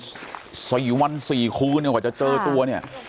สี่วันสี่คืนเนี่ยกว่าจะเจอตัวเนี่ย